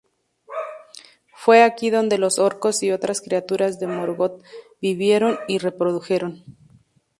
Fue aquí donde los orcos y otras criaturas de Morgoth vivieron y reprodujeron.